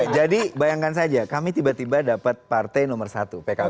jadi bayangkan saja kami tiba tiba dapat partai nomor satu pkb